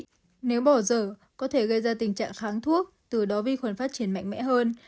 bệnh nhân bỏ dở có thể gây ra tình trạng kháng thuốc từ đó vi khuẩn phát triển mạnh mẽ hơn